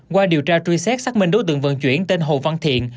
qua điều tra truy xét xác minh đối tượng vận chuyển tên hồ văn thiện